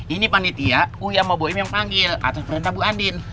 ini panitia uya sama boim yang panggil atas perintah bu andin